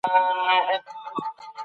فشار د بهرني حالت غبرګون دی.